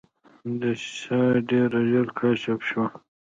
دسیسه ډېره ژر کشف شوه.